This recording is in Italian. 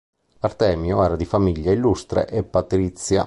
Antemio era di famiglia illustre e patrizia.